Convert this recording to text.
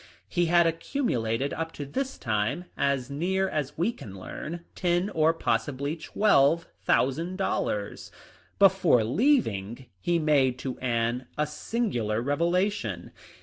He had accumulated up to this time, as near as we can learn, ten or possibly twelve thousand dollars. Before leaving he made to Anne a singular reve lation.